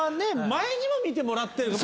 前にも見てもらってる。